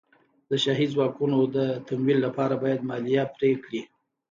د شاهي ځواکونو د تمویل لپاره باید مالیه پرې کړي.